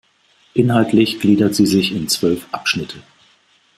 Inhaltlich gliedert sie sich in zwölf Abschnitte.